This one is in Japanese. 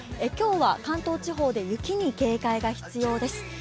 今日は関東地方で雪に警戒が必要です。